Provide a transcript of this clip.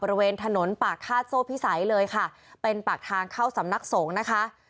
บริเวณถนนปากฆาตโซ่พิสัยเลยค่ะเป็นปากทางเข้าสำนักสงฆ์นะคะ